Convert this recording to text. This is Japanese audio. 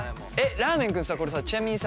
らーめん君さこれさちなみにさ